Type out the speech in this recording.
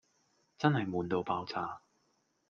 真係悶到爆炸